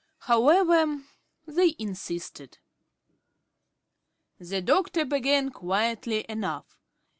However, they insisted. The doctor began quietly enough.